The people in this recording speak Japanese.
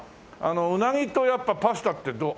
鰻とやっぱパスタってどう？